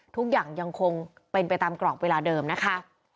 ทุกอย่างยังคงเป็นไปตามกรอบเวลาเดิมนะคะ